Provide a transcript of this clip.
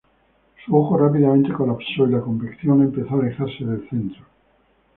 Su ojo rápidamente colapsó y la convección empezó a alejarse del centro.